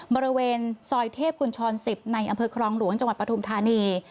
บริเวณซอยเทพกุญชร๑๐ในอำเภอครองหลวงจังหวัดปฐุมธานี